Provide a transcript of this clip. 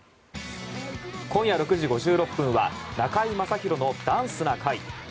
今夜６時５６分は「中居正広のダンスな会」。